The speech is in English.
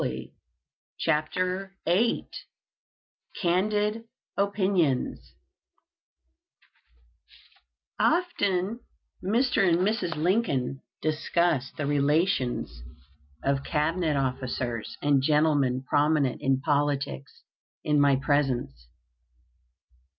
] CHAPTER VIII CANDID OPINIONS Often Mr. and Mrs. Lincoln discussed the relations of Cabinet officers, and gentlemen prominent in politics, in my presence.